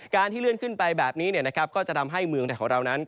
การที่เลื่อนขึ้นไปแบบนี้ก็จะทำให้เมืองไทยของเรานั้น